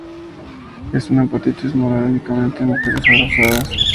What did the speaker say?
Es una hepatitis mortal únicamente en mujeres embarazadas.